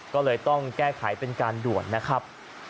ก็เลยต้องแก้ไขเป็นการด่วนนะครับ